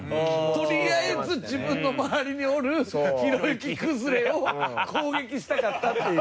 とりあえず自分の周りにおるひろゆき崩れを攻撃したかったっていう。